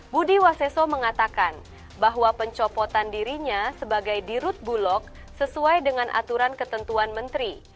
budi waseso mengatakan bahwa pencopotan dirinya sebagai dirut bulog sesuai dengan aturan ketentuan menteri